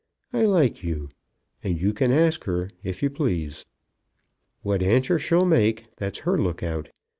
I like you, and you can ask her, if you please. What answer she'll make, that's her look out.